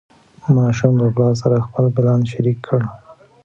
ماشوم له پلار سره خپل پلان شریک کړ